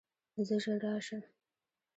زه ژر راشم.